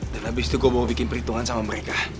dan abis itu gue bawa bikin perhitungan sama mereka